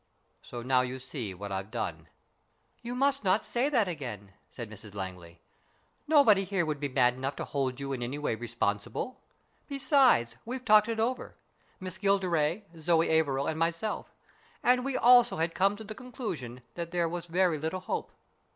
So now you see what I've done." " You must not say that again," said Mrs Langley. " Nobody here would be mad enough to hold you in any way responsible. Besides, we've talked it over Miss Gilderay, Zoe Averil and myself and we also had come to the conclusion that there was very little hope.